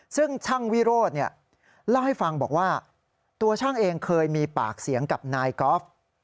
ซึ่งช่างวิโรธเล่าให้ฟังบอกว่าตัวช่างเองเคยมีปากเสียงกับนายกอล์ฟ